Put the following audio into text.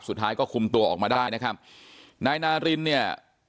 สุดท้ายก็คุมตัวออกมาได้นะครับนายนารินเนี่ย